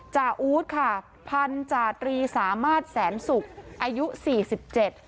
อู๊ดค่ะพันธาตรีสามารถแสนสุกอายุสี่สิบเจ็ด